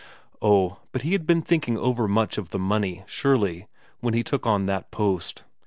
Oh, but he had been thinking overmuch of the money, surely, when he took on that post.